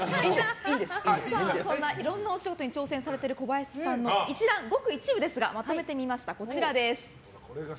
いろんなお仕事に挑戦されている小林さんのごく一部ですがまとめてみました。